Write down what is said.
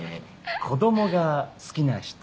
「子供が好きな人」。